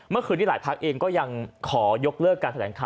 เมื่อคืนนี้หลายพักเองก็ยังขอยกเลิกการแถลงข่าว